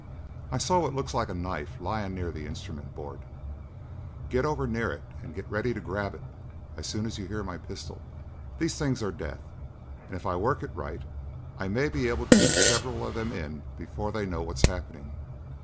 I saw what looks like a knife lying near the instrument board; get over near it and get ready to grab it as soon as you hear my pistol. These things are deaf and if I work it right I may be able to do several of them in before they know what's happening.